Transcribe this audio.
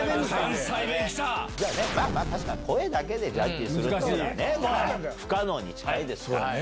確かに声だけでジャッジするのは不可能に近いですから。